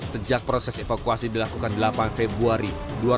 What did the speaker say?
sejak proses evakuasi dilakukan delapan februari